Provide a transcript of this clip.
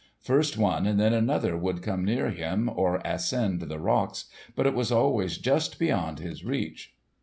First one and then another would come near him or ascend the rocks, but it was always just beyond his reach.